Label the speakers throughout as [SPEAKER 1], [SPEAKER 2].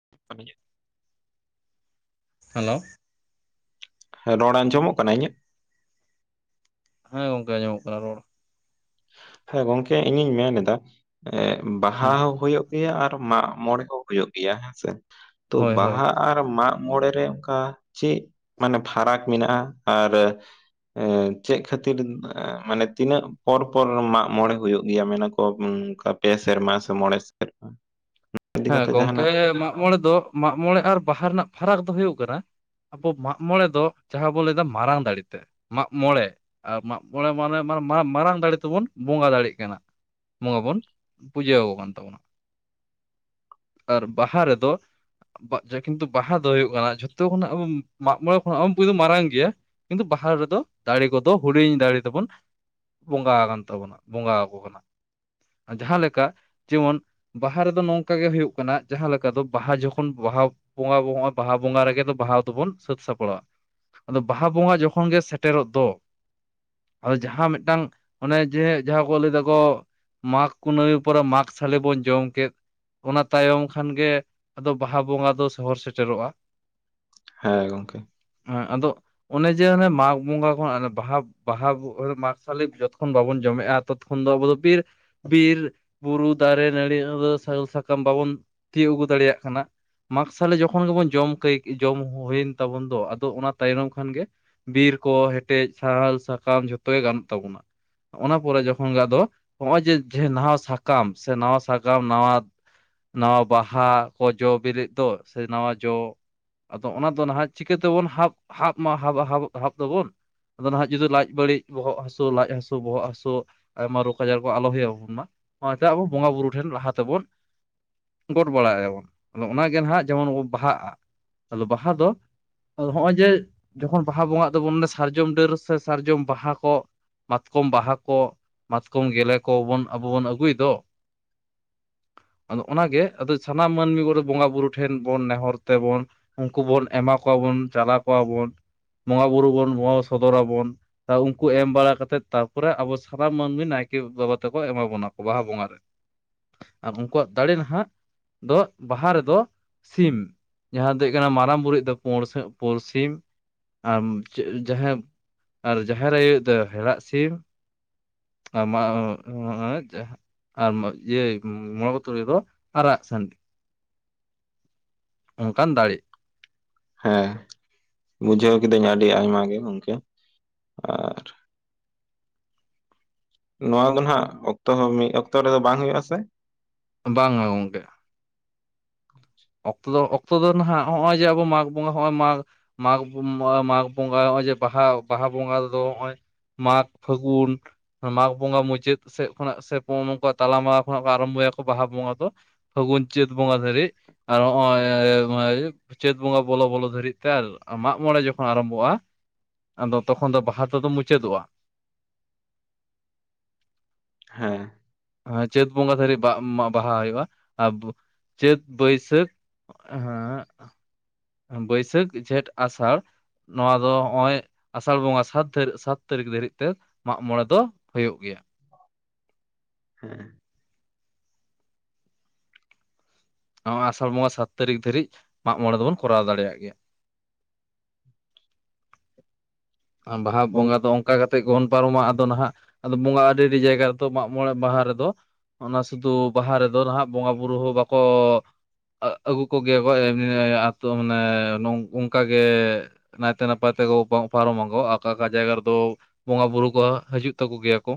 [SPEAKER 1] [unintelligible]
[SPEAKER 2] Hello
[SPEAKER 1] ᱦᱮᱸ ᱨᱚᱲ ᱟᱸᱡᱚᱢᱚᱜ ᱠᱟᱱᱟ ᱤᱧᱟᱹᱜ
[SPEAKER 2] ᱦᱮᱸ ᱜᱚᱝᱠᱮ ᱟᱱᱡᱚᱢᱚᱜ ᱠᱟᱱᱟ ᱨᱚᱲ
[SPEAKER 1] ᱦᱮᱸ ᱜᱚᱝᱠᱮ ᱤᱧᱤᱧ ᱢᱮᱱᱮᱫᱟ ᱮ ᱵᱟᱦᱟ
[SPEAKER 2] ᱦᱩᱸ
[SPEAKER 1] ᱦᱚᱸ ᱦᱩᱭᱩᱜ ᱜᱮᱭᱟ ᱟᱨ ᱢᱟᱜ ᱢᱚᱬᱮ ᱦᱚᱸᱼᱼ ᱦᱩᱭᱩᱜ ᱜᱮᱭᱟ ᱦᱮᱸ ᱥᱮ, ᱛᱚ
[SPEAKER 2] ᱦᱳᱭ ᱦᱳᱭ
[SPEAKER 1] ᱵᱟᱦᱟ ᱟᱨ ᱢᱟᱜ ᱢᱚᱬᱮ ᱨᱮ ᱚᱱᱠᱟ ᱪᱮᱫ ᱢᱟᱱᱮ ᱯᱷᱟᱨᱟᱠ ᱢᱮᱱᱟᱜᱼᱟ ᱟᱨ ᱮ ᱪᱮᱫ ᱠᱷᱟᱹᱛᱤᱨ, ᱢᱟᱱᱮ ᱛᱤᱱᱟᱹᱜ ᱯᱚᱨ ᱯᱚᱨ ᱢᱟᱜ ᱢᱚᱬᱮ ᱦᱩᱭᱩᱜ ᱜᱮᱭᱟ, ᱢᱮᱱᱟ ᱠᱚ ᱚᱱᱠᱟ ᱯᱮ ᱥᱮᱨᱢᱟ ᱥᱮ ᱢᱚᱬᱮ ᱥᱮᱨᱢᱟ᱾ ᱤᱫᱤ
[SPEAKER 2] ᱦᱮᱸ
[SPEAKER 1] ᱠᱟᱛᱮᱜ
[SPEAKER 2] ᱜᱚᱝᱠᱮ
[SPEAKER 1] ᱡᱟᱦᱟᱱᱟᱜ
[SPEAKER 2] ᱢᱟᱜ ᱢᱚᱬᱮ ᱫᱚ, ᱢᱟᱜ ᱢᱚᱬᱮ ᱟᱨ ᱵᱟᱦᱟ ᱨᱮᱱᱟᱜ ᱯᱷᱟᱨᱟᱠ ᱫᱚ ᱦᱩᱭᱩᱜ ᱠᱟᱱᱟ ᱟᱵᱚ ᱢᱟᱜ ᱢᱚᱬᱮ ᱫᱚ, ᱡᱟᱸᱦᱟᱸ ᱵᱚᱱ ᱞᱟᱹᱭᱫᱟ ᱢᱟᱨᱟᱝ ᱫᱟᱲᱮ ᱛᱮ, ᱢᱟᱜ ᱢᱚᱬᱮ᱾ ᱟᱨ ᱢᱟᱜ ᱢᱚᱬᱮ ᱢᱟᱱᱮ ᱢᱟᱨᱟᱝ ᱫᱟᱲᱮ ᱛᱮᱵᱚᱱ ᱵᱚᱸᱜᱟ ᱫᱟᱲᱮᱭᱟᱜ ᱠᱟᱱᱟ᱾ ᱵᱚᱸᱜᱟ ᱵᱚᱱ, ᱯᱩᱡᱟᱹ ᱟᱠᱚ ᱠᱟᱱ ᱛᱟᱵᱚᱱᱟ᱾ ᱟᱨ ᱵᱟᱦᱟ ᱨᱮᱫᱚ [unintelligible] ᱠᱤᱱᱛᱩ ᱵᱟᱦᱟ ᱫᱚ ᱦᱩᱭᱩᱜ ᱠᱟᱱᱟ ᱡᱷᱚᱛᱚ ᱠᱷᱚᱱᱟᱜ ᱢᱟᱜ ᱢᱚᱬᱮ ᱠᱷᱚᱱᱟᱜ ᱦᱚᱸ ᱠᱤᱱᱛᱩ ᱢᱟᱨᱟᱝ ᱜᱮᱭᱟ᱾ ᱠᱤᱱᱛᱩ ᱵᱟᱦᱟ ᱨᱮᱫᱚ, ᱫᱟᱲᱮ ᱠᱚᱫᱚ ᱦᱩᱰᱤᱧ ᱫᱟᱲᱮ ᱛᱮᱵᱚᱱ ᱵᱚᱸᱜᱟ ᱟᱠᱟᱱ ᱛᱟᱵᱚᱱᱟ, ᱵᱚᱸᱜᱟ ᱟᱠᱚ ᱠᱟᱱᱟ᱾ ᱡᱟᱸᱦᱟᱸ ᱞᱮᱠᱟ, ᱡᱮᱢᱚᱱ ᱵᱟᱦᱟ ᱨᱮᱫᱚ ᱱᱚᱝᱠᱟ ᱚᱱᱠᱟ ᱜᱮ ᱦᱩᱭᱩᱜ ᱠᱟᱱᱟ, ᱡᱟᱸᱦᱟᱸ ᱞᱮᱠᱟ ᱫᱚ ᱵᱟᱦᱟ ᱡᱚᱠᱷᱚᱱ ᱵᱟᱦᱟ ᱵᱚᱸᱜᱟ ᱟᱵᱚ ᱵᱟᱦᱟ ᱵᱚᱸᱜᱟ ᱨᱮᱜᱮ ᱫᱚ ᱵᱟᱦᱟ ᱫᱚᱵᱚᱱ ᱥᱟᱹᱛ ᱥᱟᱯᱲᱟᱣᱟ᱾ ᱟᱫᱚ ᱵᱟᱦᱟ ᱵᱚᱸᱜᱟ ᱡᱚᱠᱷᱚᱱ ᱜᱮ ᱥᱮᱴᱮᱨᱚᱜ ᱫᱚ, ᱟᱫᱚ ᱡᱟᱸᱦᱟᱸ ᱢᱤᱫᱴᱟᱝ ᱚᱱᱮ ᱡᱮ ᱡᱟᱸᱦᱟᱸ ᱠᱚ ᱞᱟᱹᱭ ᱮᱫᱟ ᱠᱚ᱾ ᱢᱟᱜᱽ ᱠᱩᱱᱟᱹᱢᱤ ᱯᱚᱨᱮ ᱢᱟᱜᱽ ᱥᱟᱞᱮ ᱵᱚᱱ ᱡᱚᱢ ᱠᱮᱫ ᱚᱱᱟ ᱛᱟᱭᱚᱢ ᱠᱷᱟᱱ ᱜᱮ, ᱟᱫᱚ ᱵᱟᱦᱟ ᱵᱚᱸᱜᱟ ᱫᱚ ᱥᱚᱦᱚᱨ ᱥᱮᱴᱮᱨᱚᱜᱼᱟ।
[SPEAKER 1] ᱦᱮᱸ ᱜᱚᱝᱠᱮ।
[SPEAKER 2] ᱦᱮᱸ ᱟᱫᱚ ᱚᱱᱮ ᱡᱮ ᱚᱱᱮ ᱢᱟᱜᱽ ᱵᱚᱸᱜᱟ ᱠᱷᱚᱱ ᱵᱟᱦᱟ ᱵᱟᱦᱟ, ᱢᱟᱜᱽᱥᱟᱞᱤ ᱡᱚᱛᱚ ᱠᱷᱚᱱ ᱵᱟᱵᱚᱱ ᱡᱚᱢᱮᱫᱟ ᱛᱚᱛᱠᱷᱚᱱ ᱫᱚ ᱟᱵᱚ ᱫᱚ ᱵᱤᱨ ᱵᱤᱨ, ᱵᱩᱨᱩ, ᱫᱟᱨᱮ, ᱱᱟᱹᱲᱤ, ᱟᱫᱚ ᱥᱟᱦᱟᱱ, ᱥᱟᱠᱟᱢ ᱵᱟᱵᱚᱱ ᱛᱤᱭᱩᱜ ᱟᱹᱜᱩ ᱫᱟᱲᱮᱭᱟᱜ ᱠᱟᱱᱟ। ᱢᱟᱜᱽ ᱥᱟᱞᱮ ᱡᱚᱠᱷᱚᱱ ᱜᱮᱵᱚᱱ ᱡᱚᱢ ᱠᱟᱹᱭ, ᱡᱚᱢ ᱦᱩᱭᱮᱱ ᱛᱟᱵᱚᱱ ᱫᱚ, ᱟᱫᱚ ᱚᱱᱟ ᱛᱟᱭᱱᱚᱢ ᱠᱷᱟᱱ ᱜᱮ ᱵᱤᱨ ᱠᱚ ᱦᱮᱴᱮᱡ, ᱥᱟᱦᱟᱞ, ᱥᱟᱠᱟᱢ ᱡᱷᱚᱛᱚ ᱜᱮ ᱜᱟᱱᱚᱜ ᱛᱟᱵᱚᱱᱟ। ᱚᱱᱟ ᱯᱚᱨᱮ ᱡᱚᱠᱷᱚᱱ ᱜᱮ ᱟᱫᱚ, ᱦᱚᱜᱼᱚᱭ ᱡᱮ ᱱᱟᱣᱟ ᱥᱟᱠᱟᱢ ᱥᱮ ᱱᱟᱣᱟ ᱥᱟᱠᱟᱢ ᱱᱟᱣᱟ ᱱᱟᱣᱟ ᱵᱟᱦᱟ ᱠᱚ ᱡᱚ ᱵᱮᱞᱮᱜ ᱫᱚ ᱥᱮ ᱱᱟᱣᱟ ᱡᱚ ᱟᱫᱚ ᱚᱱᱟ ᱫᱚ ᱱᱟᱦᱟᱜ ᱪᱤᱠᱟᱹ ᱛᱮᱵᱚᱱ ᱦᱟᱵ ᱦᱟᱵ ᱦᱟᱵ ᱦᱟᱵ ᱮ ᱟᱵᱚᱱ᱾ ᱟᱫᱚ ᱱᱟᱦᱟᱜ ᱡᱩᱫᱤ ᱞᱟᱡ ᱵᱟᱹᱲᱤᱡ ᱵᱚᱦᱚᱜ ᱦᱟᱥᱳ ᱞᱟᱡ ᱦᱟᱥᱳ ᱵᱚᱦᱚᱜ ᱦᱟᱥᱳ ᱟᱭᱢᱟ ᱨᱳᱜᱽ ᱟᱡᱟᱨ ᱠᱚ ᱟᱞᱚ ᱦᱩᱭᱩ ᱟᱵᱚᱱ ᱢᱟ, ᱚᱱᱟᱛᱮ ᱟᱵᱚ ᱵᱚᱸᱜᱟ ᱵᱩᱨᱩ ᱴᱷᱮᱱ ᱞᱟᱦᱟ ᱛᱮᱵᱚᱱ ᱜᱚᱰ ᱵᱟᱲᱟᱭᱟᱵᱚᱱ, ᱟᱫᱚ ᱚᱱᱟᱜᱮ ᱦᱟᱜ ᱡᱮᱢᱚᱱ ᱵᱚᱱ ᱵᱟᱦᱟᱜᱼᱟ, ᱟᱫᱚ ᱵᱟᱦᱟ ᱫᱚ ᱟᱫᱚ ᱦᱚᱜᱼᱚᱭ ᱡᱮ, ᱡᱚᱠᱷᱚᱱ ᱵᱟᱦᱟ ᱵᱚᱸᱜᱟᱜ ᱫᱚᱵᱚᱱ ᱥᱟᱨᱡᱚᱢ ᱰᱟᱹᱨ ᱥᱮ ᱥᱟᱨᱡᱚᱢ ᱵᱟᱦᱟ ᱠᱚ ᱢᱟᱛᱠᱚᱢ ᱵᱟᱦᱟ ᱠᱚ, ᱢᱟᱛᱠᱚᱢ ᱜᱮᱞᱮ ᱠᱚᱵᱚᱱ ᱟᱵᱚ ᱵᱚᱱ ᱟᱹᱜᱩᱭ ᱫᱚ ᱟᱫᱚ ᱚᱱᱟᱜᱮ, ᱟᱫᱚ ᱥᱟᱱᱟᱢ ᱢᱟᱹᱱᱢᱤ ᱠᱚᱫᱚ ᱵᱚᱸᱜᱟ ᱵᱩᱨᱩ ᱴᱷᱮᱱ ᱵᱚᱱ ᱱᱮᱦᱚᱨ ᱛᱮᱵᱚᱱ ᱩᱱᱠᱩ ᱵᱚᱱ ᱮᱢᱟ ᱠᱚᱣᱟᱵᱚᱱ ᱪᱟᱞᱟᱣ ᱠᱚᱣᱟᱵᱚᱱ, ᱵᱚᱸᱜᱟ ᱵᱩᱨᱩ ᱵᱚᱱ ᱵᱚᱝᱜᱟ ᱥᱚᱫᱚᱨ ᱟᱵᱚᱱ᱾ ᱩᱱᱠᱩ ᱮᱢ ᱵᱟᱲᱟ ᱠᱟᱛᱮᱫ ᱛᱟᱨᱯᱚᱨᱮ ᱟᱵᱚ ᱥᱟᱱᱟᱢ ᱢᱟᱹᱱᱢᱤ ᱱᱟᱭᱠᱮ ᱵᱟᱵᱟ ᱛᱮᱠᱚ ᱮᱢᱟ ᱵᱚᱱᱟ ᱠᱚ ᱵᱟᱦᱟ ᱵᱚᱸᱜᱟ ᱨᱮ। ᱟᱨ ᱩᱱᱠᱩᱣᱟᱜ ᱫᱟᱲᱮ ᱱᱟᱦᱟᱜ ᱫᱚ, ᱵᱟᱦᱟ ᱨᱮᱫᱚ ᱥᱤᱢ, ᱡᱟᱸᱦᱟ ᱫᱚ ᱦᱩᱭᱩᱜ ᱠᱟᱱᱟ ᱢᱟᱨᱟᱝ ᱵᱩᱨᱩ ᱨᱤᱡ ᱫᱚ ᱯᱩ ᱥᱤ ᱯᱩᱬ ᱥᱤᱢ, ᱟᱢ ᱡᱟᱸᱦᱮ ᱟᱨ ᱡᱟᱦᱮᱨ ᱟᱭᱩ ᱤᱡ ᱫᱚ ᱦᱮᱲᱟᱜ ᱥᱤᱢ, ᱟᱨ [unintelligible] ᱤᱭᱟᱹ। ᱢᱚᱲᱮ ᱠᱚ ᱛᱩᱨᱩᱭ ᱠᱚ, ᱟᱨᱟᱜ ᱥᱟᱸᱰᱤ। ᱚᱱᱠᱟᱱ ᱫᱟᱲᱮ।
[SPEAKER 1] ᱦᱮᱸ ᱵᱩᱡᱷᱟᱹᱣ ᱠᱤᱫᱟᱹᱧ ᱟᱹᱰᱤ ᱟᱭᱢᱟ ᱜᱮ ᱜᱚᱝᱠᱮ ᱟᱨ ᱱᱚᱣᱟ ᱫᱚ ᱱᱟᱜ ᱚᱠᱛᱚ ᱦᱚᱸ ᱢᱤᱫ ᱚᱠᱛᱚ ᱨᱮᱫᱚ ᱵᱟᱝ ᱦᱩᱭᱩᱜ -ᱟ ᱥᱮ?
[SPEAKER 2] ᱵᱟᱝ-ᱟ ᱜᱚᱝᱠᱮ। ᱚᱠᱛᱚ ᱫᱚ, ᱚᱠᱛᱚ ᱫᱚ ᱱᱟᱦᱟᱜ ᱱᱚᱜᱼᱚᱭ ᱡᱮ ᱟᱵᱚ ᱢᱟᱜᱽ ᱵᱚᱸᱜᱟ ᱦᱚᱸᱜᱼᱚᱭ ᱢᱟᱜᱽ ᱢᱟᱜᱽ ᱢᱟᱜᱽ ᱵᱚᱸᱜᱟ ᱱᱚᱜᱼᱚᱭ ᱡᱮ ᱵᱟᱦᱟ ᱵᱟᱦᱟ ᱵᱚᱸᱜᱟ ᱨᱮᱫᱚ ᱱᱚᱜᱼᱚᱭ ᱢᱟᱜᱽ, ᱯᱷᱟᱹᱜᱩᱱ ᱢᱟᱜᱽ ᱵᱚᱸᱜᱟ ᱢᱩᱪᱟᱹᱫ ᱥᱮᱫ ᱠᱷᱚᱱᱟᱜ ᱥᱮ ᱚᱱᱠᱟ ᱛᱟᱞᱟ ᱢᱟᱞᱟ ᱠᱷᱚᱱᱟᱜ ᱠᱚ ᱟᱨᱟᱢᱵᱚᱭᱟ ᱠᱚ ᱵᱟᱦᱟ ᱵᱚᱸᱜᱟ ᱫᱚ। ᱯᱷᱟᱹᱜᱩᱱ, ᱪᱟᱹᱛ ᱵᱚᱸᱜᱟ ᱫᱷᱟᱹᱨᱤ ᱟᱨ ᱱᱚᱜᱼᱚᱭ [unintelligible] ᱪᱟᱹᱛ ᱵᱚᱸᱜᱟ ᱵᱚᱞᱚ ᱵᱚᱞᱚ ᱫᱷᱟᱹᱨᱤᱡ ᱛᱮ ᱟᱨ ᱢᱟᱜ ᱢᱚᱬᱮ ᱡᱚᱠᱷᱚᱱ ᱟᱨᱟᱢᱵᱚᱜᱼᱟ। ᱟᱫᱚ ᱛᱚᱠᱷᱚᱱ ᱫᱚ ᱵᱟᱦᱟ ᱛᱮᱫᱚ ᱢᱩᱪᱟᱹᱫᱚᱜᱼᱟ।
[SPEAKER 1] ᱦᱮᱸ।
[SPEAKER 2] ᱟ ᱪᱟᱹᱛ ᱵᱚᱸᱜᱟ ᱫᱷᱟᱹᱨᱤᱡ ᱵᱟᱦᱟ ᱦᱩᱭᱩᱜᱼᱟ ᱟᱨ ᱪᱟᱹᱛ ᱵᱟᱹᱭᱥᱟᱹᱠᱷ ᱥᱟᱹᱠ [unintelligible] ᱵᱟᱹᱭᱥᱟᱠᱷ, ᱡᱷᱮᱸᱴ, ᱟᱥᱟᱲ ᱱᱚᱣᱟ ᱫᱚ ᱱᱚᱜᱼᱚᱭ ᱟᱥᱟᱲ ᱵᱚᱸᱜᱟ ᱥᱟᱛ ᱛᱟᱨᱤ ᱥᱟᱛ ᱛᱟᱹᱨᱤᱠᱷ ᱫᱷᱟᱹᱨᱤᱡ ᱛᱮ ᱢᱟᱜ ᱢᱚᱬᱮ ᱫᱚ ᱦᱩᱭᱩᱜ ᱜᱮᱭᱟ।
[SPEAKER 1] ᱦᱮᱸ।
[SPEAKER 2] ᱱᱚᱣᱟ ᱟᱥᱟᱲ ᱵᱚᱸᱜᱟ ᱥᱟᱛ ᱛᱟᱹᱨᱤᱠᱷ ᱫᱷᱟᱹᱨᱤᱡ ᱢᱟᱜ ᱢᱚᱬᱮ ᱫᱚᱵᱚᱱ ᱠᱚᱨᱟᱣ ᱫᱟᱲᱮᱭᱟᱜ ᱜᱮᱭᱟ। ᱟᱨ ᱵᱟᱦᱟ
[SPEAKER 1] ᱜᱚᱝ
[SPEAKER 2] ᱵᱚᱸᱜᱟ ᱫᱚ ᱚᱱᱠᱟ ᱠᱟᱛᱮᱫ ᱜᱮᱵᱚᱱ ᱯᱟᱨᱚᱢᱟ ᱟᱫᱚ ᱱᱟᱦᱟᱜ ᱟᱫᱚ ᱵᱚᱸᱜᱟ ᱟᱹᱰᱤ ᱟᱹᱰᱤ ᱡᱟᱭᱜᱟ ᱨᱮᱫᱚ ᱢᱟᱜ ᱢᱚᱬᱮ ᱵᱟᱦᱟ ᱨᱮᱫᱚ। ᱚᱱᱟ ᱥᱩᱫᱩ ᱵᱟᱦᱟ ᱨᱮᱫᱚ ᱱᱟᱦᱟᱜ ᱵᱚᱸᱜᱟ ᱵᱩᱨᱩ ᱦᱚᱸ ᱵᱟᱠᱚ ᱟᱹᱜᱩ ᱠᱚᱜᱮᱭᱟ ᱠᱚ ᱟᱹᱛᱩ ᱢᱟᱱᱮ ᱚᱝᱠᱟ ᱜᱮ ᱱᱟᱭ ᱛᱮ ᱱᱟᱯᱟᱭ ᱛᱮᱠᱚ ᱯᱟᱨᱚᱢᱟ ᱠᱚ ᱚᱠᱟ ᱚᱠᱟ ᱡᱟᱭᱜᱟ ᱨᱮᱫᱚ ᱵᱚᱸᱜᱟ ᱵᱩᱨᱩ ᱠᱚ ᱦᱤᱡᱩᱜ ᱛᱟᱠᱚ ᱜᱮᱭᱟ ᱠᱚ।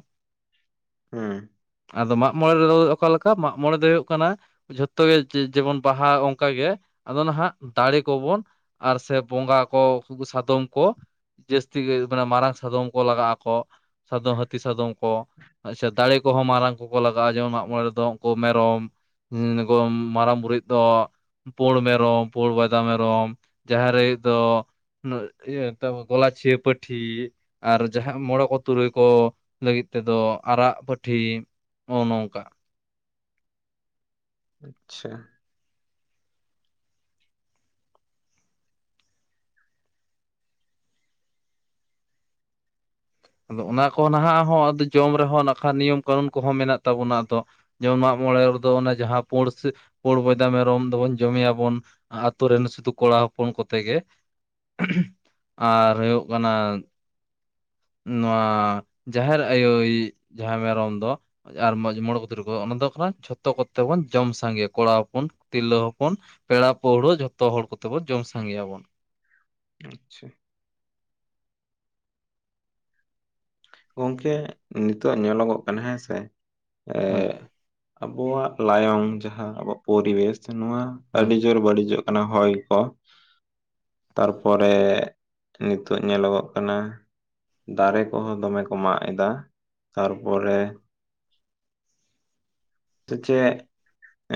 [SPEAKER 1] ᱦᱩᱸ।
[SPEAKER 2] ᱟᱫᱚ ᱢᱟᱜ ᱢᱚᱬᱮ ᱨᱮᱫᱚ ᱚᱠᱟ ᱞᱮᱠᱟ, ᱢᱟᱜ ᱢᱚᱬᱮ ᱫᱚ ᱦᱩᱭᱩᱜ ᱠᱟᱱᱟ ᱡᱷᱚᱛᱚ ᱜᱮ ᱡᱮᱢᱚᱱ ᱵᱟᱦᱟ ᱚᱱᱠᱟᱜᱮ ᱟᱫᱚ ᱱᱟᱦᱟᱸᱜ ᱫᱟᱲᱮ ᱠᱚ ᱵᱚᱱ᱾ ᱟᱨ ᱥᱮ ᱵᱚᱸᱜᱟ ᱠᱚ ᱥᱟᱫᱚᱢ ᱠᱚ᱾ ᱡᱟᱹᱥᱛᱤ ᱜᱮ ᱢᱟᱱᱮ ᱢᱟᱨᱟᱝ ᱥᱟᱫᱚᱢ ᱠᱚ ᱞᱟᱜᱟᱜ ᱟᱠᱚ᱾ ᱥᱟᱫᱚ ᱦᱟᱹᱛᱤ ᱥᱟᱫᱚᱢ ᱠᱚ ᱟᱪᱷᱟ ᱫᱟᱲᱮ ᱠᱚ ᱦᱚᱸ ᱢᱟᱨᱟᱝ᱾ ᱠᱚᱠᱚ ᱞᱟᱜᱟᱣ ᱡᱚᱝ ᱢᱟᱜᱢᱚᱲᱮ ᱨᱮᱫᱚ ᱩᱝᱠᱩ ᱢᱮᱨᱚᱢ ᱢᱟᱨᱟᱝ ᱵᱩᱨᱩᱣᱤᱡ ᱫᱚ ᱯᱩᱬ ᱢᱮᱨᱚᱢ ᱯᱩᱬ ᱵᱚᱫᱟ ᱢᱮᱨᱚᱢ ᱡᱟᱦᱮᱨᱮ ᱟᱭᱳᱭᱤᱡ ᱫᱚ ᱜᱚᱞᱟᱪᱷᱮ ᱯᱟᱹᱴᱷᱤ᱾ ᱟᱨ ᱡᱟᱦᱟᱸᱜ ᱢᱚᱬᱮ ᱠᱚ ᱛᱩᱨᱩᱭ ᱠᱚ ᱞᱟᱹᱜᱤᱫ ᱛᱮᱫᱚ ᱟᱨᱟᱜ ᱯᱟᱹᱴᱷᱤ᱾ ᱱᱚᱜᱼᱚ ᱱᱚᱝᱠᱟ
[SPEAKER 1] ᱟᱪᱪᱷᱟ
[SPEAKER 2] ᱟᱫᱚ ᱚᱱᱟ ᱠᱚ ᱱᱟᱦᱟᱸᱜ ᱦᱚᱸ ᱟᱫᱚ ᱡᱚᱢ ᱨᱮᱦᱚᱸ ᱱᱟᱠᱷᱟᱱ ᱱᱤᱭᱚᱢ ᱠᱟᱹᱱᱩᱱ ᱠᱚᱦᱚᱸ ᱢᱮᱱᱟᱜ ᱛᱟᱵᱚᱱᱟ ᱟᱫᱚ᱾ ᱡᱮᱢᱚᱱ ᱢᱟᱜ ᱢᱚᱬᱮ ᱨᱮᱫᱚ ᱚᱱᱟ ᱡᱟᱦᱟᱸ ᱯᱩᱬ ᱯᱩᱬ ᱵᱚᱭᱫᱟ ᱢᱮᱨᱚᱢ ᱫᱚᱵᱚᱱ ᱡᱚᱢᱮᱭᱟᱵᱚᱱ᱾ ᱟᱛᱚ ᱨᱮᱱ ᱥᱩᱫᱩ ᱠᱚᱲᱟ ᱦᱚᱯᱚᱱ ᱠᱚᱛᱮ ᱜᱮ ᱟᱨ ᱦᱩᱭᱩᱜ ᱠᱟᱱᱟ᱾ ᱱᱚᱣᱟ ᱡᱟᱦᱮᱨ ᱟᱭᱳᱭᱤᱡ ᱡᱟᱦᱟᱸ ᱢᱮᱨᱚᱢ ᱫᱚ᱾ ᱟᱨ ᱢᱚᱡᱽ ᱢᱚᱬᱮ ᱠᱚ ᱛᱩᱨᱩᱭ ᱠᱚ ᱚᱱᱟ ᱫᱚ ᱠᱷᱟᱱ ᱡᱷᱚᱛᱚ ᱠᱚᱛᱮ ᱵᱚᱱ ᱡᱚᱢ ᱥᱟᱸᱜᱮᱭᱟ ᱠᱚᱲᱟ ᱦᱚᱯᱚᱱ ᱛᱤᱨᱞᱟᱹ ᱦᱚᱯᱚᱱ᱾ ᱯᱮᱲᱟ ᱯᱟᱹᱣᱲᱟᱹ ᱡᱷᱚᱛᱚ ᱦᱚᱲ ᱠᱚᱛᱮ ᱵᱚᱱ ᱡᱚᱢ ᱥᱟᱸᱜᱮᱭᱟᱵᱚᱱ᱾
[SPEAKER 1] ᱟᱪᱪᱷᱟ ᱜᱚᱝᱠᱮ ᱱᱤᱛᱚᱜ ᱧᱮᱞᱚᱜᱚᱜ ᱠᱟᱱᱟ ᱦᱮᱸ ᱥᱮ ᱮ᱾
[SPEAKER 2] ᱦᱳᱭ
[SPEAKER 1] ᱟᱵᱚᱣᱟᱜ ᱞᱟᱭᱚᱝ ᱡᱟᱦᱟᱸ ᱟᱵᱚᱣᱟᱜ ᱯᱚᱨᱤᱵᱮᱥ ᱱᱚᱣᱟ
[SPEAKER 2] ᱦᱳᱭ
[SPEAKER 1] ᱟᱹᱰᱤᱡᱳᱨ ᱵᱟᱹᱲᱤᱡᱚᱜ᱾ ᱠᱟᱱᱟ ᱦᱚᱭ ᱠᱚ ᱛᱟᱨᱯᱚᱨᱮ ᱱᱤᱛᱚᱜ ᱧᱮᱞᱚᱜᱚᱜ ᱠᱟᱱᱟ᱾ ᱫᱟᱨᱮ ᱠᱚᱦᱚᱸ ᱫᱚᱢᱮ ᱠᱚ ᱢᱟᱜ ᱮᱫᱟ ᱛᱟᱨᱯᱚᱨᱮ᱾ ᱛᱚ ᱪᱮᱫ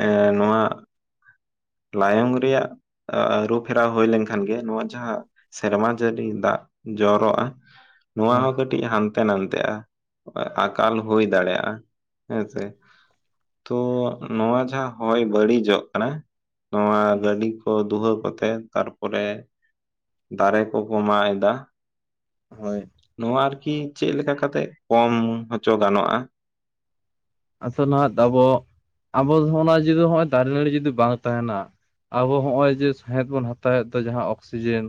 [SPEAKER 1] ᱮ ᱱᱚᱣᱟ ᱞᱟᱭᱚᱝ ᱨᱮᱭᱟᱜ ᱟᱹᱨᱩ ᱯᱷᱮᱨᱟᱣ ᱦᱚᱭ ᱞᱮᱱᱠᱷᱟᱱ ᱜᱮ ᱱᱚᱣᱟ ᱡᱟᱦᱟᱸ᱾ ᱥᱮᱨᱢᱟ ᱡᱟᱹᱲᱤ ᱫᱟᱜ ᱡᱚᱨᱚᱜᱼᱟ ᱱᱚᱣᱟ
[SPEAKER 2] ᱦᱳᱭ
[SPEAKER 1] ᱦᱚᱸ ᱠᱟᱛᱮ ᱛᱮᱡ ᱦᱟᱱᱛᱮ-ᱱᱟᱛᱮᱜᱼᱟ ᱟᱠᱟᱞ ᱦᱚᱭ ᱫᱟᱲᱮᱭᱜᱼᱟ ᱦᱮᱸᱥᱮ᱾ ᱛᱚ ᱱᱚᱣᱟ ᱡᱟᱦᱟᱸ ᱦᱚᱭ ᱵᱟᱹᱲᱤᱡᱚᱜ ᱠᱟᱱᱟ ᱱᱚᱣᱟ ᱜᱟᱹᱰᱤ᱾ ᱠᱚ ᱫᱩᱦᱟᱹᱣ ᱠᱟᱛᱮ ᱛᱟᱨᱯᱚᱨᱮ ᱫᱟᱨᱮ ᱠᱚᱠᱚ ᱢᱟᱜ ᱮᱫᱟ᱾
[SPEAKER 2] ᱦᱳᱭ
[SPEAKER 1] ᱱᱚᱣᱟ ᱟᱨ ᱠᱤ ᱪᱮᱫ ᱞᱮᱠᱟ ᱠᱟᱛᱮᱜ ᱠᱚᱢ ᱦᱚᱪᱚ ᱜᱟᱱᱚᱜᱼᱟ᱾
[SPEAKER 2] ᱟᱫᱚ ᱱᱟᱦᱟᱸᱜ ᱟᱵᱚ ᱟᱵᱚ ᱫᱚ ᱡᱩᱫᱤ ᱱᱚᱜᱼᱚᱭ ᱫᱟᱨᱮ ᱱᱟᱹᱲᱤ ᱡᱩᱫᱤ ᱵᱟᱝ ᱛᱟᱦᱮᱱᱟ᱾ ᱟᱵᱚ ᱦᱚᱸᱜᱼᱚᱭ ᱡᱮ ᱥᱟᱦᱮᱸᱫ ᱵᱚᱱ ᱦᱟᱛᱟᱣᱮᱫ ᱫᱚ ᱡᱟᱦᱟᱸ ᱚᱠᱥᱤᱡᱮᱱ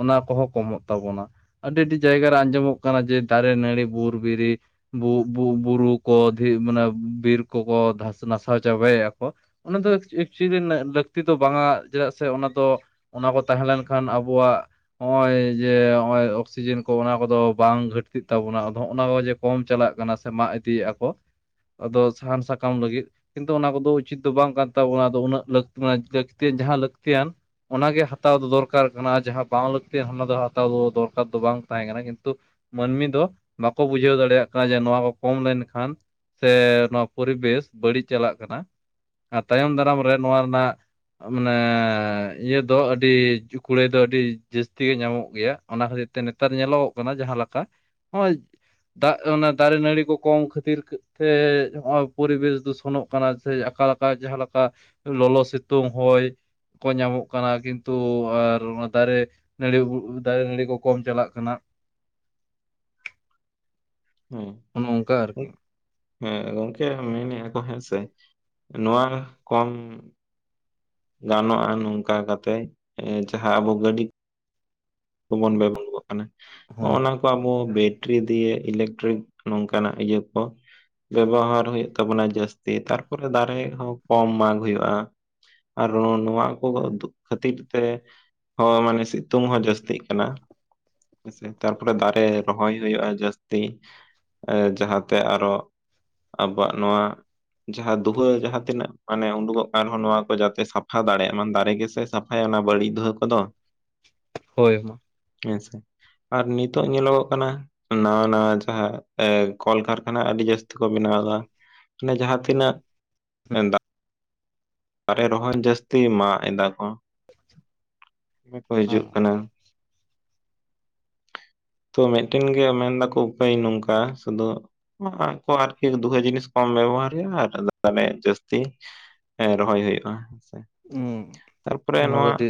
[SPEAKER 2] ᱚᱱᱟ ᱠᱚᱦᱚᱸ ᱠᱚᱢᱚᱜ ᱛᱟᱵᱚᱱᱟ᱾ ᱟᱥᱟᱱᱟᱦᱟᱜ ᱟᱵᱚᱟᱹᱰᱤ ᱟᱹᱰᱤ ᱡᱟᱭᱜᱟ ᱨᱮ ᱟᱸᱡᱚᱢᱚᱜ ᱠᱟᱱᱟ ᱡᱮ ᱫᱟᱨᱮ ᱱᱟᱹᱲᱤ ᱵᱩᱨ ᱵᱤᱨᱤ᱾ ᱵᱩᱨᱩ ᱠᱚ ᱫᱷᱤ ᱢᱟᱱᱮ ᱵᱤᱨ ᱠᱚᱠᱚ ᱫᱷᱟᱥ ᱱᱟᱥᱟᱣ ᱪᱟᱵᱟᱭᱮᱜ-ᱟ ᱠᱚ᱾ ᱚᱱᱟ ᱫᱚ ᱮᱠᱪᱩᱭᱤ ᱞᱟᱹᱠᱛᱤ ᱫᱚ ᱵᱟᱝᱟ ᱪᱮᱫᱟᱜ ᱥᱮ ᱚᱱᱟ ᱫᱚ᱾ ᱚᱱᱟ ᱠᱚ ᱛᱟᱦᱮᱸ ᱞᱮᱱᱠᱷᱟᱱ ᱟᱵᱚᱣᱟᱜ᱾ ᱱᱚᱜᱼᱚᱭ ᱡᱮ ᱱᱚᱜᱼᱚᱭ ᱚᱠᱥᱤᱡᱮᱱ ᱠᱚ ᱚᱱᱟ ᱠᱚᱫᱚ ᱵᱟᱝ ᱜᱷᱟᱹᱴᱛᱤᱜ ᱛᱟᱵᱚᱱᱟ ᱟᱫᱚ ᱦᱚᱸᱜ ᱚᱱᱟ ᱠᱚ ᱡᱮ᱾ ᱠᱚᱢ ᱪᱟᱞᱟᱜ ᱠᱟᱱᱟ ᱥᱮ ᱢᱟᱜ ᱤᱫᱤᱭᱮᱭᱟᱜᱼᱟ ᱠᱚ᱾ ᱟᱫᱚ ᱥᱟᱦᱟᱱ ᱥᱟᱠᱟᱢ ᱞᱟᱹᱜᱤᱫ᱾ ᱠᱤᱱᱛᱩ ᱚᱱᱟ ᱠᱚᱫᱚ ᱩᱪᱤᱛ ᱫᱚ ᱵᱟᱝ ᱠᱟᱱ ᱛᱟᱵᱚᱱᱟ ᱟᱫᱚ ᱩᱱᱟᱹᱜ ᱞᱟᱹᱠ ᱢᱟᱱᱮ ᱞᱟᱹᱠᱛᱤᱭ ᱡᱟᱦᱟᱸ ᱞᱟᱹᱠᱛᱤᱭᱟᱱ᱾ ᱚᱱᱟᱜᱮ ᱦᱟᱛᱟᱣ ᱫᱚ ᱫᱚᱨᱠᱟᱨ ᱠᱟᱱᱟ ᱡᱟᱦᱟᱸ ᱵᱟᱝ ᱞᱟᱹᱠᱛᱤ ᱚᱱᱟ ᱫᱚ ᱦᱟᱛᱟᱣ ᱫᱚ ᱫᱚᱨᱠᱟᱨ ᱫᱚ ᱵᱟᱝ ᱛᱟᱦᱮᱸ ᱠᱟᱱᱟ ᱠᱤᱱᱛᱩ᱾ ᱢᱟᱹᱱᱢᱤ ᱫᱚ ᱵᱟᱠᱚ ᱵᱩᱡᱷᱟᱹᱣ ᱫᱟᱲᱮᱭᱟᱜ ᱠᱟᱱᱟ ᱡᱮ ᱱᱚᱣᱟ ᱠᱚ ᱠᱚᱢ ᱞᱮᱱᱠᱷᱟᱱ᱾ ᱥᱮ ᱱᱚᱣᱟ ᱯᱚᱨᱤᱵᱮᱥ ᱵᱟᱹᱲᱤᱡ ᱪᱟᱞᱟᱜ ᱠᱟᱱᱟ ᱟᱨ ᱛᱟᱭᱚᱢ ᱫᱟᱨᱟᱢ ᱨᱮ ᱱᱚᱣᱟ ᱨᱮᱱᱟᱜ᱾ ᱢᱟᱱᱮ ᱤᱭᱟᱹ ᱫᱚ ᱟᱹᱰᱤ ᱠᱩᱲᱟᱹᱭ ᱫᱚ ᱟᱹᱰᱤ ᱡᱟᱹᱥᱛᱤ ᱜᱮ ᱧᱟᱢᱚᱜ ᱜᱮᱭᱟ᱾ ᱚᱱᱟ ᱠᱷᱟᱹᱛᱤᱨ ᱛᱮ ᱱᱮᱛᱟᱨ ᱧᱮᱞᱚᱜᱚᱜ ᱠᱟᱱᱟ ᱡᱟᱦᱟᱸᱮ ᱞᱮᱠᱟ ᱱᱚᱜᱼᱚᱭ᱾ ᱫᱟᱜ ᱚᱱᱟ ᱫᱟᱨᱮ ᱱᱟᱹᱲᱤ ᱠᱚ ᱠᱚᱢ ᱠᱷᱟᱹᱛᱤᱨ᱾ ᱦᱚᱸᱜ-ᱚᱭ ᱯᱚᱨᱤᱵᱮᱥ ᱫᱩᱥᱚᱱᱚᱜ ᱠᱟᱱᱟ ᱥᱮ ᱚᱠᱟᱞᱠᱟᱜ ᱡᱟᱦᱟᱸ ᱞᱮᱠᱟ᱾ ᱞᱚᱞᱚ ᱥᱤᱛᱩᱝ ᱦᱚᱭ ᱠᱚ ᱧᱟᱢᱚᱜ ᱠᱟᱱᱟ ᱠᱤᱱᱛᱩ ᱟᱨ ᱚᱱᱟ ᱫᱟᱨᱮ᱾ ᱱᱟᱹᱲᱤ ᱠᱚ ᱫᱟᱨᱮ ᱱᱟᱹᱲᱤ ᱠᱚ ᱠᱚᱢ ᱪᱟᱞᱟᱜ ᱠᱟᱱᱟ᱾ ᱚᱱᱮ ᱚᱱᱠᱟ
[SPEAKER 1] ᱦᱮᱸ
[SPEAKER 2] ᱟᱨᱠᱤ
[SPEAKER 1] ᱦᱮᱸ ᱜᱚᱝᱠᱮ ᱢᱮᱱᱮᱫ ᱟᱠ ᱠᱚ ᱦᱮᱸ ᱥᱮ ᱱᱚᱣᱟ ᱠᱚᱢ ᱜᱟᱱᱚᱜᱼᱟ ᱱᱚᱝᱠᱟ ᱠᱟᱛᱮᱜ ᱡᱟᱦᱟᱸ ᱟᱵᱚ ᱜᱟᱹᱰᱤ ᱵᱚᱱ ᱵᱮᱰᱚᱜ ᱠᱟᱱᱟ ᱦᱚᱸᱜᱼ
[SPEAKER 2] ᱦᱳᱭ
[SPEAKER 1] ᱚᱱᱟ ᱠᱚ ᱟᱵᱚ ᱵᱮᱴᱨᱤ ᱫᱤᱭᱮ ᱤᱞᱮᱠᱴᱨᱤᱠ ᱱᱚᱝᱠᱟᱱᱟᱜ ᱤᱭᱟᱹ ᱠᱚ ᱵᱮᱵᱚᱦᱟᱨ ᱦᱩᱭᱩᱜ ᱛᱟᱵᱚᱱᱟ ᱡᱟᱹᱥᱛᱤ ᱛᱟᱨᱯᱚᱨᱮ ᱫᱟᱨᱮ ᱦᱚᱸ ᱠᱚᱢ ᱢᱟᱜ ᱦᱩᱭᱩᱜᱼᱟ᱾ ᱟᱨ ᱱᱚᱣᱟ ᱠᱚᱫᱚ ᱠᱤᱫᱩᱜ ᱠᱷᱟᱹᱛᱤᱨ ᱛᱮ ᱦᱚᱸ ᱢᱟᱱᱮ ᱥᱤᱛᱩᱝ ᱦᱚᱸ ᱡᱟᱹᱥᱛᱤ ᱡᱟᱹᱥᱛᱤᱜ ᱠᱟᱱᱟ ᱛᱟᱨᱯᱚᱨᱮ ᱫᱟᱨᱮ ᱨᱚᱦᱚᱭ ᱦᱩᱭᱩᱜᱼᱟ ᱡᱟᱹᱥᱛᱤ ᱡᱟᱦᱟᱸᱛᱮ ᱟᱨᱚ ᱟᱵᱚᱣᱟᱜ ᱱᱚᱣᱟ ᱡᱟᱦᱟᱸ ᱫᱩᱦᱟᱹ ᱡᱟᱦᱟᱸ ᱛᱤᱱᱟᱹᱜ ᱢᱟᱱᱮ ᱩᱰᱩᱠᱚᱜ ᱠᱟᱱ ᱨᱮᱦᱚᱸ ᱱᱚᱣᱟ ᱠᱚ ᱡᱟᱛᱮ ᱥᱟᱯᱷᱟ ᱫᱟᱲᱮᱭᱟᱜ ᱢ ᱫᱟᱨᱮ ᱜᱮᱥᱮ ᱥᱟᱯ ᱦᱳᱭ ᱚᱱᱟ ᱵᱟᱹᱲᱤᱡ ᱫᱷᱩᱣᱟᱹ ᱠᱚᱫᱚ
[SPEAKER 2] ᱦᱳᱭ ᱢᱟ
[SPEAKER 1] ᱦᱮᱸᱥᱮ ᱟᱨ ᱱᱤᱛᱚᱜ ᱧᱮᱞᱚᱜᱚᱜ ᱠᱟᱱᱟ ᱱᱟᱣᱟ-ᱱᱟᱣᱟ ᱡᱟᱦᱟᱸ ᱮ ᱠᱚᱞᱠᱟᱨᱠᱷᱟᱱᱟ ᱟᱹᱰᱤ ᱡᱟᱹᱥᱛᱤ ᱠᱚ ᱵᱮᱱᱟᱣ ᱮᱫᱟ ᱢᱟᱱᱮ ᱡᱟᱦᱟᱸ ᱛᱤᱱᱟᱹᱜ ᱫᱟᱨᱮ ᱨᱚᱦᱚᱭ ᱡᱟᱹᱥᱛᱤ ᱢᱟᱜ ᱮᱫᱟ ᱠᱚ, ᱠᱚ ᱦᱤᱡᱩᱜ
[SPEAKER 2] ᱦᱮᱸ
[SPEAKER 1] ᱠᱟᱱᱟ ᱛᱚ ᱢᱤᱫᱴᱮᱱ ᱜᱮ ᱢᱮᱱᱫᱟᱠᱚ ᱩᱯᱟᱹᱭ ᱱᱚᱝᱠᱟ ᱥᱩᱫᱩ ᱟᱨᱠᱤ ᱫᱷᱩᱣᱟᱹ ᱡᱤᱱᱤᱥ ᱠᱚᱢ ᱵᱮᱵᱚᱦᱟᱨᱭᱟ ᱟᱨᱮ ᱡᱟᱹᱥᱛᱤ ᱨᱚᱦᱚᱭ ᱦᱩᱭᱩᱜᱼᱟ ᱦᱮᱸ ᱥᱮ ᱛᱟᱨᱯᱚᱨᱮ
[SPEAKER 2] ᱚᱱᱟ ᱫᱚ
[SPEAKER 1] ᱱᱚᱣᱟ
[SPEAKER 2] ᱟᱹᱰᱤ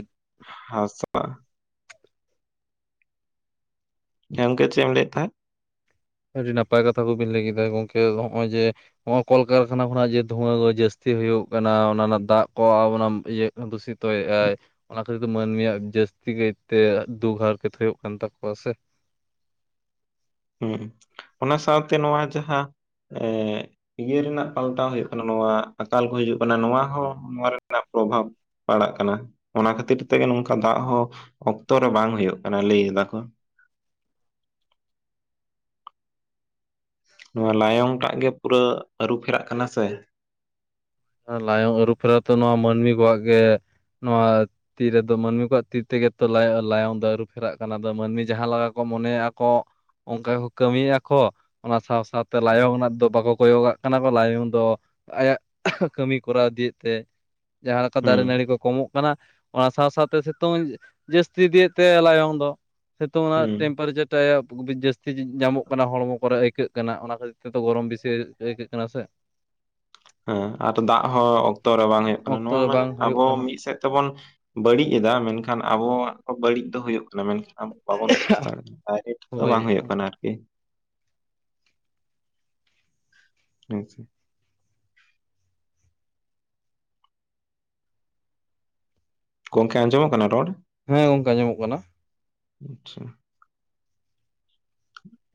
[SPEAKER 1] ᱦᱟᱥᱟ ᱜᱮᱚᱝᱠ ᱪᱮ ᱮᱢ ᱞᱟᱹᱭᱮᱫ ᱛᱟᱦᱮᱸ?
[SPEAKER 2] ᱟᱹᱰᱤ ᱱᱟᱯᱟᱭ ᱠᱟᱛᱷᱟ ᱠᱚᱵᱤᱱ ᱞᱟᱹᱭ ᱠᱮᱫᱟ ᱜᱚᱝᱠᱮ ᱱᱚᱜᱼᱚᱭ ᱡᱮ ᱱᱚᱭ ᱠᱚᱞᱠᱟᱨᱠᱷᱟᱱᱟ ᱠᱷᱚᱱᱟᱜ ᱡᱮ ᱫᱷᱩᱣᱟᱹ ᱠᱚ ᱡᱟᱹᱥᱛᱤ ᱦᱩᱭᱩᱜ ᱠᱟᱱᱟ ᱚᱱᱟ ᱨᱮᱱᱟᱜ ᱫᱟᱜ ᱠᱚ ᱚᱱᱟ ᱤᱭᱟᱹ ᱫᱩᱥᱤᱛ ᱛᱚ ᱮᱭᱟᱭ ᱚᱱᱟ ᱠᱷᱟᱹᱛᱤᱨ ᱛᱮ ᱢᱟᱹᱱᱢᱤᱭᱟᱜ ᱡᱟᱹᱥᱛᱤ ᱠᱟᱭᱛᱮ ᱫᱩᱠ ᱦᱟᱨᱠᱮᱛ ᱦᱩᱭᱩᱜ ᱠᱟᱱ ᱛᱟᱠᱚᱣᱟ ᱥᱮ ᱾
[SPEAKER 1] ᱦᱩᱸ ᱚᱱᱟ ᱥᱟᱶᱛᱮ ᱱᱚᱣᱟ ᱡᱟᱦᱟᱸ ᱮ ᱤᱭᱟᱹ ᱨᱮᱱᱟᱜ ᱯᱟᱞᱴᱟᱣ ᱦᱩᱭᱩᱜ ᱠᱟᱱᱟ ᱱᱚᱣᱟ ᱟᱠᱟᱞ ᱠᱚ ᱦᱤᱡᱩᱜ ᱠᱟᱱᱟ ᱱᱚᱣᱟ ᱦᱚᱸ ᱱᱚᱣᱟ ᱨᱮᱱᱟᱜ ᱯᱨᱚᱵᱷᱟᱵᱽ ᱯᱟᱲᱟᱜ ᱠᱟᱱᱟ ᱚᱱᱟ ᱠᱷᱟᱹᱛᱤᱨ ᱛᱮᱜᱮ ᱱᱚᱝᱠᱟ ᱫᱟᱜ ᱦᱚᱸ ᱚᱠᱛᱚ ᱨᱮ ᱵᱟᱝ ᱦᱩᱭᱩᱜ ᱠᱟᱱᱟ ᱞᱟᱹᱭ ᱫᱟᱠᱚ ᱾ ᱱᱚᱣᱟ ᱞᱟᱭᱚᱝ ᱴᱟᱜ ᱜᱮ ᱯᱩᱨᱟᱹ ᱟᱹᱨᱩ ᱯᱷᱮᱨᱟᱜ ᱠᱟᱱᱟ ᱥᱮ ᱾
[SPEAKER 2] ᱞᱟᱭᱚᱝ ᱟᱹᱨᱩ ᱯᱷᱮᱨᱟᱣ ᱛᱚ ᱱᱚᱣᱟ ᱢᱟᱹᱱᱢᱤ ᱠᱚᱣᱟᱜ ᱜᱮ ᱱᱚᱣᱟ ᱛᱤ ᱨᱮᱫᱚ ᱢᱟᱹᱱᱢᱤ ᱠᱚᱣᱟᱜ ᱛᱤ ᱛᱮᱜᱮ ᱛᱚ ᱞᱟᱭᱚᱝ ᱫᱚ ᱟᱹᱨᱩ ᱯᱷᱮᱨᱟᱜ ᱠᱟᱱᱟ ᱫᱚ ᱢᱟᱹᱱᱢᱤ ᱡᱟᱦᱟᱸ ᱞᱮᱠᱟ ᱠᱚ ᱢᱚᱱᱮᱮᱜᱼᱟ ᱠᱚ ᱚᱱᱠᱟ ᱜᱮᱠᱚ ᱠᱟᱹᱢᱤᱭᱮᱼᱟ ᱠᱚ ᱚᱱᱟ ᱥᱟᱶ ᱥᱟᱶ ᱥᱟᱶᱛᱮ ᱞᱟᱭᱚᱝ ᱨᱮᱱᱟᱜ ᱫᱚ ᱵᱟᱠᱚ ᱠᱚᱭᱚᱜᱟᱜ ᱠᱟᱱᱟ ᱠᱚ ᱞᱟᱭᱚᱝ ᱫᱚ ᱟᱭᱟᱜ ᱠᱟᱹᱢᱤ ᱠᱚᱨᱟᱣ ᱤᱫᱤᱭᱮᱫ ᱛᱟᱭᱟ ᱡᱟᱦᱟᱸ ᱞᱮᱠᱟ ᱫᱟᱨᱮ
[SPEAKER 1] ᱦᱩᱸ
[SPEAKER 2] ᱱᱟᱹᱲᱤ ᱠᱚ ᱠᱚᱢᱚᱜ ᱠᱟᱱᱟ ᱚᱱᱟ ᱥᱟᱶ ᱥᱟᱶᱛᱮ ᱥᱤᱛᱩᱝ ᱡᱟᱹᱥᱛᱤ ᱤᱫᱤᱭᱮᱫ ᱛᱟᱭᱟ ᱞᱟᱭᱚᱝ ᱫᱚ ᱥᱮᱛᱚᱝ ᱨᱮᱱᱟ
[SPEAKER 1] ᱦᱩᱸ
[SPEAKER 2] ᱴᱮᱢᱯᱟᱨᱮᱪᱟᱨ ᱡᱟᱹᱥᱛᱤ ᱧᱟᱢᱚᱜ ᱠᱟᱱᱟ ᱦᱚᱲᱢᱚ ᱠᱚᱨᱮ ᱟᱹᱭᱠᱟᱹᱜ ᱠᱟᱱᱟ ᱚᱱᱟ ᱠᱷᱟᱹᱛᱤᱨ ᱛᱮ ᱛᱚ ᱜᱚᱨᱚᱢ ᱵᱮᱥᱤ ᱟᱹᱭᱠᱟᱹᱜ ᱠᱟᱱᱟ ᱥᱮ,
[SPEAKER 1] ᱦᱮᱸ ᱟᱨ ᱫᱟᱜ ᱦᱚᱸ ᱚᱠᱛᱚ ᱨᱮ ᱵᱟᱝ ᱦᱩᱭᱩᱜ ᱠᱟᱱᱟ
[SPEAKER 2] ᱚᱠᱛᱚ
[SPEAKER 1] ᱱᱚᱣᱟ
[SPEAKER 2] ᱨᱮ
[SPEAKER 1] ᱢᱟᱱᱮ
[SPEAKER 2] ᱵᱟᱝ ᱦᱩᱭᱩᱜ
[SPEAKER 1] ᱟᱵᱚ
[SPEAKER 2] ᱠᱟᱱᱟ
[SPEAKER 1] ᱢᱤᱫ ᱥᱮᱫ ᱛᱮᱵᱚᱱ ᱵᱟᱹᱲᱤᱡ ᱮᱫᱟ ᱢᱮᱱᱠᱷᱟᱱ ᱟᱵᱚᱣᱟᱜ ᱦᱚᱸ ᱵᱟᱹᱲᱤᱡ ᱫᱚ ᱦᱩᱭᱩᱜ ᱠᱟᱱᱟ ᱢᱮᱱᱠᱷᱟᱱ ᱟᱵᱚ ᱵᱟᱵᱚᱱ ᱵᱩᱡ ᱫᱟᱲᱮᱫᱟ ᱠᱟᱱᱟ ᱰᱟᱭᱨᱮᱴ ᱫᱚ
[SPEAKER 2] ᱦᱳᱭ
[SPEAKER 1] ᱵᱟᱝ ᱦᱩᱭᱩᱜ ᱠᱟᱱᱟ ᱟᱨ [unintelligible] ᱜᱚᱢᱠᱮ ᱟᱸᱡᱚᱢᱚᱜ ᱠᱟᱱᱟ ᱨᱚᱲ?
[SPEAKER 2] ᱦᱮᱸ ᱜᱚᱢᱠᱮ ᱧᱟᱢᱚᱜ ᱠᱟᱱᱟ ᱾
[SPEAKER 1] ᱟᱪᱪᱷᱟ ᱾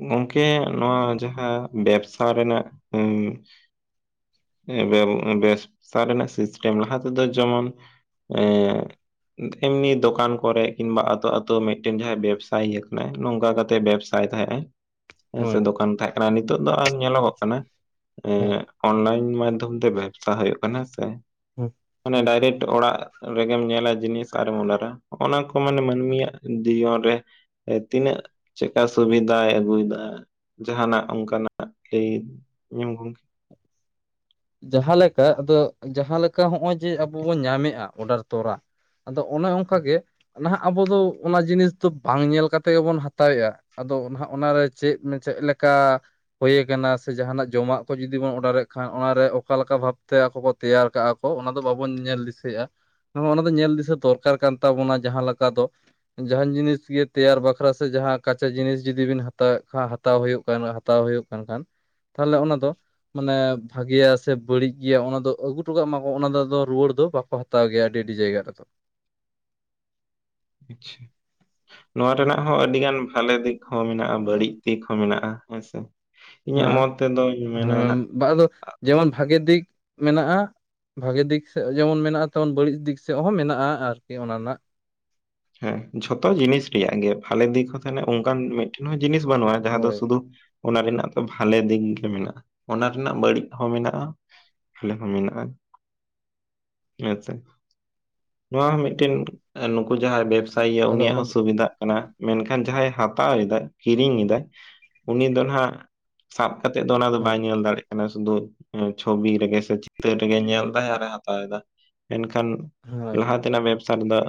[SPEAKER 1] ᱜᱚᱝᱠᱮ ᱱᱚᱣᱟ ᱡᱟᱦᱟᱸ ᱵᱮᱵᱥᱟ ᱨᱮᱱᱟᱜ ᱵᱮᱵᱥᱟ ᱨᱮᱱᱟᱜ ᱥᱤᱥᱴᱮᱢ ᱞᱟᱦᱟ ᱛᱮᱫᱚ ᱡᱮᱢᱚᱱ ᱮ ᱮᱢᱱᱤ ᱫᱚᱠᱟᱱ ᱠᱚᱨᱮ ᱠᱤᱝᱵᱟ ᱟᱛᱳ ᱟᱛᱳ ᱢᱤᱫᱴᱮᱱ ᱡᱟᱦᱟᱸᱭ ᱵᱮᱵᱽᱥᱟᱭᱤ ᱟᱠᱟᱱᱟᱭ ᱱᱚᱝᱠᱟ ᱠᱟᱛᱮ ᱵᱮᱵᱥᱟ ᱛᱟᱭ ᱛᱟᱦᱮᱸ ᱮ ᱾ ᱦᱮᱸ ᱥᱮ
[SPEAKER 2] ᱦᱳᱭ
[SPEAKER 1] ᱫᱚᱠᱟᱱ ᱛᱟᱦᱮᱸ ᱠᱟᱱᱟ ᱱᱤᱛᱚᱜ ᱫᱚ ᱟᱨ ᱧᱮᱞᱚᱜᱚᱜ ᱠᱟᱱᱟ ᱮ
[SPEAKER 2] ᱦᱮᱸ
[SPEAKER 1] ᱚᱱᱞᱟᱭᱤᱱ ᱢᱟᱫᱽᱫᱷᱚᱢ ᱛᱮ ᱵᱮᱵᱥᱟ ᱦᱩᱭᱩᱜ ᱠᱟᱱᱟ ᱦᱮᱸᱥᱮ ᱾
[SPEAKER 2] [unintelligible]
[SPEAKER 1] ᱢᱟᱱᱮ ᱰᱟᱭᱨᱮᱠᱴ ᱚᱲᱟᱜ ᱨᱮᱜᱮᱢ ᱧᱮᱞᱟ ᱡᱤᱱᱤᱥ ᱟᱨᱮᱢ ᱚᱰᱟᱨᱟᱜ ᱚᱱᱟ ᱠᱚ ᱢᱟᱱᱮ ᱢᱟᱹᱱᱢᱤᱭᱟᱜ ᱡᱤᱭᱚᱱ ᱨᱮ ᱮᱸ ᱛᱤᱱᱟᱹᱜ ᱪᱮᱫᱠᱟ ᱥᱩᱵᱤᱫᱷᱟᱭ ᱟᱹᱜᱩᱭᱮᱫᱟ ᱡᱟᱦᱟᱸᱱᱟᱜ ᱚᱱᱠᱟᱱᱟᱜ ᱞᱟᱹᱭ ᱟᱹᱧᱟᱢ ᱜᱚᱢᱠᱮ ᱾
[SPEAKER 2] ᱡᱟᱦᱟᱸᱞᱮᱠᱟ ᱟᱫᱚ ᱡᱟᱦᱟᱸ ᱞᱮᱠᱟ ᱱᱚᱜ-ᱚᱭ ᱡᱮ ᱟᱵᱚ ᱵᱚᱱ ᱧᱟᱢᱮᱜ-ᱟ ᱚᱰᱟᱨ ᱛᱚᱨᱟ, ᱟᱫᱚ ᱚᱱᱮ ᱚᱱᱠᱟ ᱜᱮ ᱱᱟᱦᱟᱜ ᱟᱵᱚ ᱫᱚ ᱚᱱᱟ ᱡᱤᱱᱤᱥ ᱫᱚ ᱵᱟᱝ ᱧᱮᱞ ᱠᱟᱛᱮ ᱜᱮᱵᱚᱱ ᱦᱟᱛᱟᱣᱮᱜ-ᱟ ᱾ ᱟᱫᱚ [inaudible] ᱚᱱᱟᱨᱮ ᱪᱮᱫ ᱪᱮᱫ ᱞᱮᱠᱟ ᱦᱩᱭ ᱟᱠᱟᱱᱟ ᱥᱮ ᱡᱟᱦᱟᱸᱱᱟᱜ ᱡᱚᱢᱟᱜ ᱠᱚ ᱡᱩᱫᱤ ᱵᱚᱱ ᱚᱰᱟᱨᱮᱫ ᱠᱷᱟᱱ ᱚᱱᱟᱨᱮ ᱚᱠᱟ ᱞᱮᱠᱟ ᱵᱷᱟᱵᱚᱛ ᱛᱮ ᱟᱠᱚ ᱠᱚ ᱛᱮᱭᱟᱨ ᱟᱠᱟᱜ-ᱟ ᱠᱚ ᱚᱱᱟ ᱫᱚ ᱵᱟᱵᱚᱱ ᱧᱮᱞ ᱫᱤᱥᱟᱹᱭᱮᱜ-ᱟ ᱾ ᱚᱱᱟ ᱫᱚ ᱧᱮᱞ ᱫᱤᱥᱟᱹ ᱫᱚᱨᱠᱟᱨ ᱠᱟᱱ ᱛᱟᱵᱚᱱᱟ ᱡᱟᱦᱟᱸ ᱞᱮᱠᱟ ᱫᱚ ᱡᱟᱦᱟᱱ ᱡᱤᱱᱤᱥ ᱜᱮ ᱛᱮᱭᱟᱨ ᱵᱟᱠᱷᱨᱟ ᱥᱮ ᱡᱟᱦᱟᱸ ᱠᱟᱪᱟ ᱡᱤᱱᱤᱥ ᱡᱩᱫᱤ ᱵᱤᱱ ᱦᱟᱛᱟᱣᱮᱫ ᱠᱷᱟᱱ ᱦᱟᱛᱟᱣ ᱦᱩᱭᱩᱜ ᱠᱟᱱ ᱦᱟᱛᱟᱣ ᱦᱩᱭᱩᱜ ᱠᱟᱱ ᱠᱷᱟᱱ ᱛᱟᱦᱮᱞᱮ ᱚᱱᱟ ᱫᱚ ᱢᱟᱱᱮ ᱵᱷᱟᱜᱮᱭᱟ ᱥᱮ ᱵᱟᱹᱲᱤᱡ ᱜᱮᱭᱟ ᱚᱱᱟ ᱫᱚ ᱟᱹᱜᱩ ᱚᱴᱚ ᱠᱟᱜ ᱢᱟᱠᱚ ᱚᱱᱟ ᱨᱩᱣᱟᱹᱲ ᱫᱚ ᱵᱟᱠᱚ ᱦᱟᱛᱟᱣ ᱜᱮᱭᱟ ᱟᱹᱰᱤ ᱟᱹᱰᱤ ᱡᱟᱭᱜᱟ ᱨᱮᱫᱚ ᱾
[SPEAKER 1] ᱟᱪᱪᱷᱟ ᱱᱚᱣᱟ ᱨᱮᱱᱟᱜ ᱦᱚᱸ ᱟᱹᱰᱤ ᱜᱟᱱ ᱵᱷᱟᱞᱮ ᱫᱤᱠ ᱦᱚᱸ ᱢᱮᱱᱟᱜ-ᱟ ᱵᱟᱹᱲᱤᱡ ᱫᱤᱠ ᱦᱚᱸ ᱢᱮᱱᱟᱜ-ᱟ ᱦᱮᱸ ᱥᱮ ᱤᱧᱟᱹᱜ ᱢᱚᱛ ᱛᱮᱫᱚᱧ ᱢᱮᱱᱟ ᱱᱟᱦᱟᱜ
[SPEAKER 2] ᱵᱟ ᱟᱫᱚ ᱡᱮᱢᱚᱱ ᱵᱷᱟᱜᱮ ᱫᱤᱠ ᱢᱮᱱᱟᱜ-ᱟ ᱵᱷᱟᱜᱮ ᱫᱤᱠ ᱥᱮᱫ ᱡᱮᱢᱚᱱ ᱢᱮᱱᱟᱜ-ᱟ ᱛᱟᱵᱚᱱ ᱵᱟᱹᱲᱤᱡ ᱫᱤᱠ ᱥᱮᱫ ᱦᱚᱸ ᱢᱮᱱᱟᱜ-ᱟ ᱟᱨᱠᱤ ᱚᱱᱟ ᱨᱮᱱᱟᱜ
[SPEAKER 1] ᱦᱮᱸ ᱡᱷᱚᱛᱚ ᱡᱤᱱᱤᱥ ᱨᱮᱭᱟᱜ ᱜᱮ ᱵᱷᱟᱞᱮ ᱫᱤᱠ ᱦᱚᱸ ᱛᱟᱦᱮᱸᱱᱟ ᱚᱱᱠᱟᱱ ᱢᱤᱫ ᱴᱮᱱ ᱦᱚᱸ ᱡᱤᱱᱤᱥ ᱵᱟᱹᱱᱩᱜ-ᱟ ᱡᱟᱦᱟᱸ ᱫᱚ
[SPEAKER 2] ᱦᱳᱭ
[SPEAKER 1] ᱥᱩᱫᱩ ᱚᱱᱟ ᱨᱮᱱᱟᱜ ᱫᱚ ᱵᱷᱟᱞᱮ ᱫᱤᱠ ᱜᱮ ᱢᱮᱱᱟᱜ-ᱟ ᱚᱱᱟ ᱨᱮᱱᱟᱜ ᱵᱟᱹᱲᱤᱡ ᱦᱚᱸ ᱢᱮᱱᱟᱜ-ᱟ᱾ ᱵᱷᱟᱞᱮ ᱦᱚᱸ ᱢᱮᱱᱟᱜ-ᱟ ᱾ ᱦᱮᱸ ᱪᱮ, ᱱᱚᱣᱟ ᱦᱚᱸ ᱢᱤᱫᱴᱮᱱ ᱱᱩᱠᱩ ᱠᱩ ᱡᱟᱦᱟᱸᱭ ᱵᱮᱵᱽᱥᱟ ᱭᱮᱟᱭ
[SPEAKER 2] ᱟᱫᱚ
[SPEAKER 1] ᱩᱱᱤᱭᱟᱜ
[SPEAKER 2] ᱚᱱᱟ
[SPEAKER 1] ᱦᱚᱸ
[SPEAKER 2] ᱫᱚ
[SPEAKER 1] ᱥᱩᱵᱤᱫᱷᱟᱜ ᱠᱟᱱᱟ ᱾ ᱢᱮᱱᱠᱷᱟᱱ ᱡᱟᱦᱟᱸᱭ ᱦᱟᱛᱟᱣ ᱮᱫᱟᱭ ᱠᱤᱨᱤᱧ ᱮᱫᱟᱭ ᱩᱱᱤ ᱫᱚ ᱱᱟᱜ ᱥᱟᱵ ᱠᱟᱛᱮᱫ ᱫᱚ ᱚᱱᱟ ᱫᱚ ᱵᱟᱭ
[SPEAKER 2] ᱦᱳᱭ
[SPEAKER 1] ᱧᱮᱞ ᱫᱟᱲᱮᱭᱟᱜ ᱢᱟᱱᱮ ᱥᱩᱫᱷᱩ ᱪᱷᱚᱵᱤ ᱨᱮᱜᱮ ᱥᱮ ᱪᱤᱛᱟᱹᱨ ᱨᱮᱜᱮ ᱧᱮᱞ ᱮᱫᱟᱭ ᱟᱨᱮ ᱦᱟᱛᱟᱣ ᱮᱫᱟ ᱢᱮᱱᱠᱷᱟᱱ
[SPEAKER 2] ᱦᱳᱭ
[SPEAKER 1] ᱞᱟᱦᱟ ᱛᱮᱱᱟᱜ ᱵᱮᱵᱽᱥᱟ ᱨᱮᱫᱚ